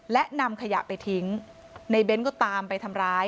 และนำขยะไปทิ้งในเบ้นก็ตามไปทำร้าย